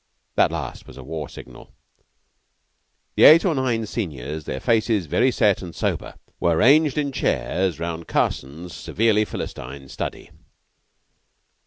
That last was a war signal. The eight or nine seniors, their faces very set and sober, were ranged in chairs round Carson's severely Philistine study.